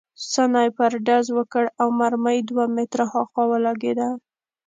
سنایپر ډز وکړ او مرمۍ دوه متره هاخوا ولګېده